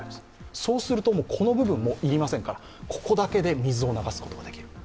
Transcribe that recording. そうするとこの部分も要りませんから、下だけで水を流すことができる。